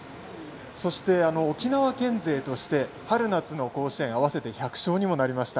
そして、沖縄県勢として春夏甲子園合わせて１００勝にもなりました。